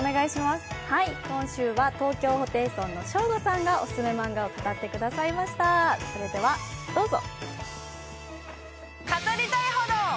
今週は東京ホテイソンのショーゴさんがオススメマンガを語ってくれました、どうぞ！